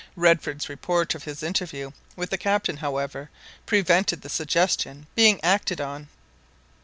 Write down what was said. Redford's report of his interview with the captain, however, prevented the suggestion being acted on.